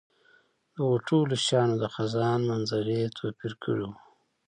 دغو ټولو شیانو د خزان منظرې توپیر کړی وو.